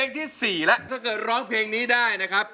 ที่๔แล้วถ้าเกิดร้องเพลงนี้ได้นะครับ